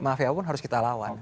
mafia pun harus kita lawan